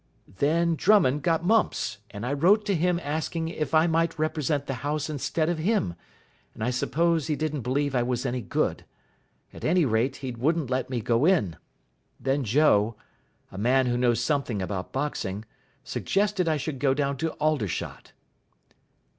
"Then Drummond got mumps, and I wrote to him asking if I might represent the house instead of him, and I suppose he didn't believe I was any good. At any rate, he wouldn't let me go in. Then Joe a man who knows something about boxing suggested I should go down to Aldershot."